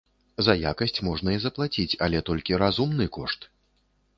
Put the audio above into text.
За якасць можна і заплаціць, але толькі разумны кошт.